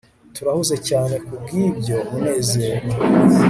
turahuze cyane kubwibyo, munezero